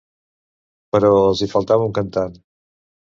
Però els hi faltava un cantant.